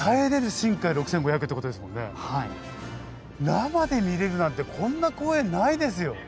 生で見れるなんてこんな光栄ないですよ。